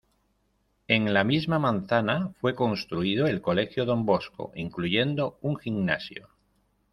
En la misma manzana fue construido el Colegio Don Bosco, incluyendo un gimnasio.